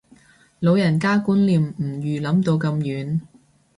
老人家觀念唔預諗到咁遠